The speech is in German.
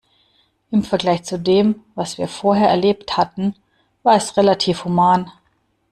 Im Vergleich zu dem, was wir vorher erlebt hatten, war es relativ human.